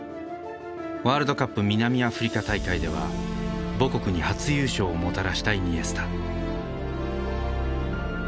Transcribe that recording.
ワールドカップ南アフリカ大会では母国に初優勝をもたらしたイニエスタ。